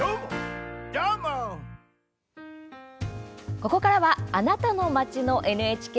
ここからは「あなたの街のＮＨＫ」